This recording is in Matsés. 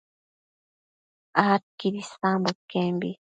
adquid isambo iquembi